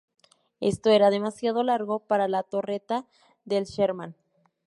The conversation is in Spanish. Esto era demasiado largo para la torreta del Sherman.